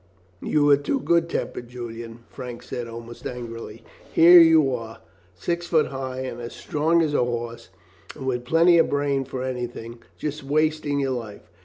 "You are too good tempered, Julian," Frank said, almost angrily. "Here are you, six feet high and as strong as a horse, and with plenty of brain for anything, just wasting your life.